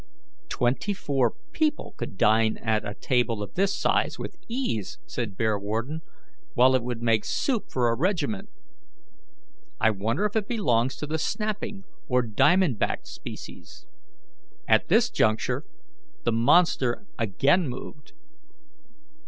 "Twenty four people could dine at a table of this size with ease," said Bearwarden, "while it would make soup for a regiment. I wonder if it belongs to the snapping or diamond backed species." At this juncture the monster again moved.